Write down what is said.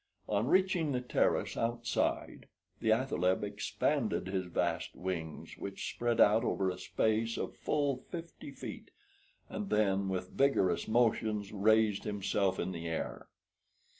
On reaching the terrace outside, the athaleb expanded his vast wings, which spread out over a space of full fifty feet, and then with vigorous motions raised himself in the air.